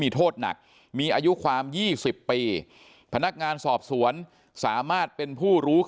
โทษหนักมีอายุความ๒๐ปีพนักงานสอบสวนสามารถเป็นผู้รู้